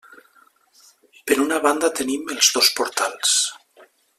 Per una banda tenim els dos portals.